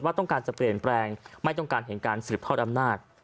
ต้องการจะเปลี่ยนแปลงไม่ต้องการเห็นการสืบทอดอำนาจ